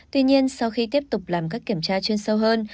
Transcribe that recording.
tuy nhiên sau khi tiếp tục làm các kiểm tra chuyên sâu hơn